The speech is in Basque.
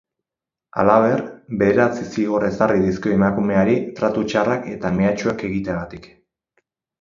Halaber, bederatzi zigor ezarri dizkio emakumeari tratu txarrak eta mehatxuak egiteagatik.